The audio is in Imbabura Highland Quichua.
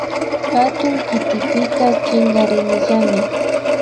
Hatun kitipika chinkarinillami